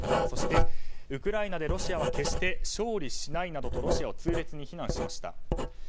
そしてウクライナでロシアは決して勝利しないなどとロシアを痛烈に非難しました。